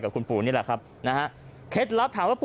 กลับไปนี่ล่ะครับเข็ดลับถามว่า